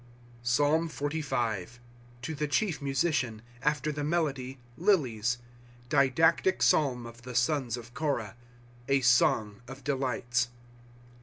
PSALM XLY. To the Chief Musician. After [the melody] ■' Lilies." Didactic [Psalm] of the Sons of Korah. A Song of Delights.